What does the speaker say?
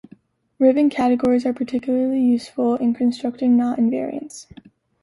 Ribbon categories are particularly useful in constructing knot invariants.